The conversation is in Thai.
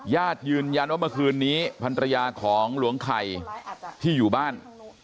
ญาติยืนยันว่าเมื่อคืนนี้พันรยาของหลวงไข่ที่อยู่บ้าน